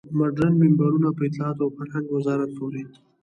مډرن منبرونه په اطلاعاتو او فرهنګ وزارت پورې.